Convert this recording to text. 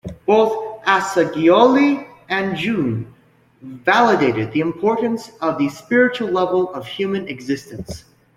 Both Assagioli and Jung validated the importance of the spiritual level of human existence.